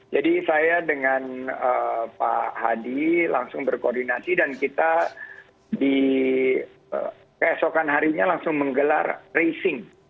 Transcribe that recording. jadi saya dengan pak hadi langsung berkoordinasi dan kita di keesokan harinya langsung menggelar racing